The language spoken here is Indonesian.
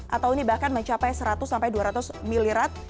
atau ini bahkan mencapai seratus sampai dua ratus miliar